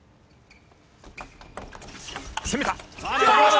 攻めた！